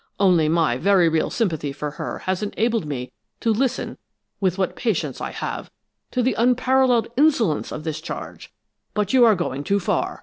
Only my very real sympathy for her has enabled me to listen with what patience I have to the unparalleled insolence of this charge, but you are going too far.